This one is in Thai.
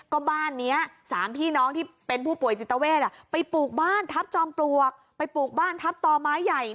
ก็บ้านนี้๓พี่น้องที่เป็นผู้ป่วยจิตเวทไปปลูกบ้านทัพจอมปลวกไปปลูกบ้านทับต่อไม้ใหญ่